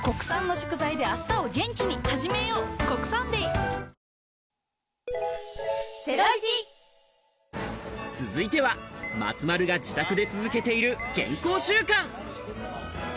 ぷっ事実「特茶」続いては松丸が自宅で続けている健康習慣。